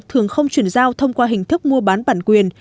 thường không chuyển giao thông qua hình thức mua bán bản quyền